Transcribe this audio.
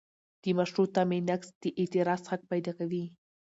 د مشروع تمې نقض د اعتراض حق پیدا کوي.